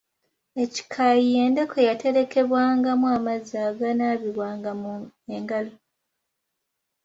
Ekikaayi y’endeku eyaterekebwangamu amazzi agaanaabibwangamu engalo .